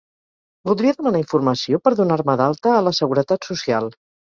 Voldria demanar informació per donar-me d'alta a la seguretat social.